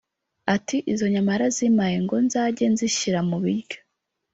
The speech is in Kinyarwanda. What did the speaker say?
Ati “Izo nyama yarazimpaye ngo nzajye nzishyira mu biryo [